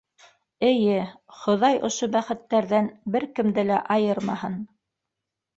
Эйе, Хоҙай ошо бәхеттәрҙән бер кемде лә айырмаһын.